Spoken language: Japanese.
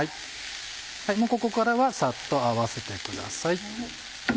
もうここからはサッと合わせてください。